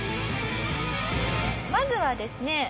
まずはですね